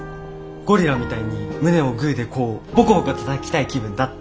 ゴリラみたいに胸をグーでこうボコボコたたきたい気分だって。